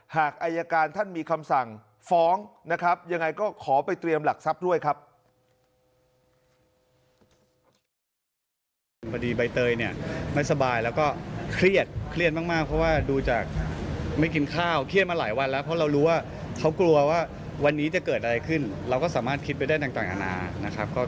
หากอายการท่านมีคำสั่งฟ้องนะครับยังไงก็ขอไปเตรียมหลักทรัพย์ด้วยครับ